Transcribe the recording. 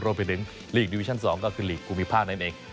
รวมไปถึงลีกดิวิชั่น๒ก็คือหลีกภูมิภาคนั่นเอง